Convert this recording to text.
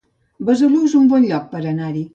Besalú es un bon lloc per anar-hi